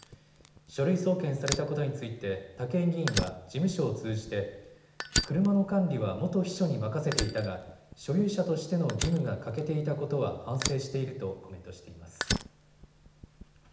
書類送検されたことについて武井議員は事務所を通じて車の管理は元秘書に任せていたが所有者としての義務が欠けていたことは反省しているとコメントしています。